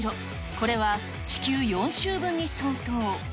これは地球４周分に相当。